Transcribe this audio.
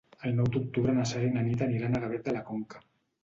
El nou d'octubre na Sara i na Nit aniran a Gavet de la Conca.